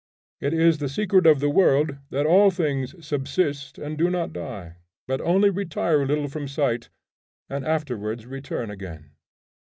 It is the secret of the world that all things subsist and do not die but only retire a little from sight and afterwards return again.